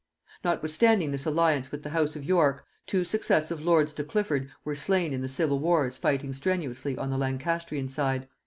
Notwithstanding this alliance with the house of York, two successive lords de Clifford were slain in the civil wars fighting strenuously on the Lancastrian side.